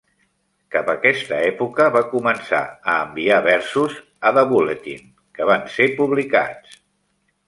Cap a aquesta època va començar a enviar versos a The Bulletin, que van ser publicats.